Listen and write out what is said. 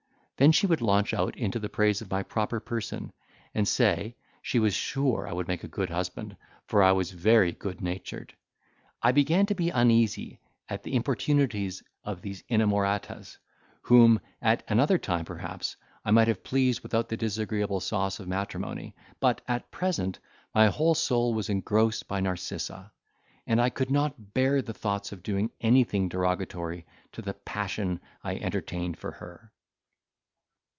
Then she would launch out into the praise of my proper person, and say, she was sure I would make a good husband, for I was very good natured. I began to be uneasy at the importunities of these inamoratas, whom, at another time perhaps, I might have pleased without the disagreeable sauce of matrimony, but, at present, my whole soul was engrossed by Narcissa; and I could not bear the thoughts of doing anything derogatory to the passion I entertained for her.